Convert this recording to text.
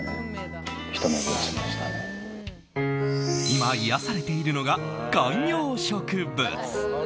今、癒やされているのが観葉植物。